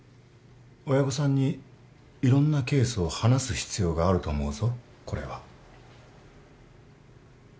親御さんにいろんなケースを話す必要があると思うぞこれは。